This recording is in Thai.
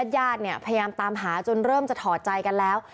ญาติเนี่ยพยายามตามหาจนเริ่มจะถอดใจกันแล้ว